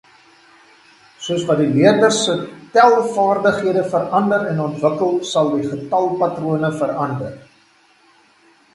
Soos wat die leerders se telvaardighede verander en ontwikkel, sal die getalpatrone verander.